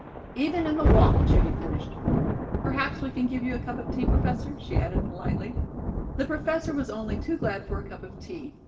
"Even in the walk," Judy finished. "Perhaps we can give you a cup of tea, Professor," she added politely. The Professor was only too glad for a cup of tea.